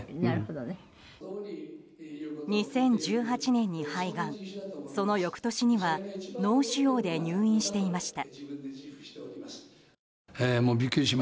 ２０１８年に肺がんその翌年には脳腫瘍で入院していました。